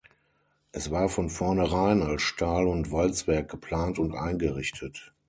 Es war von vorneherein als Stahl- und Walzwerk geplant und eingerichtet.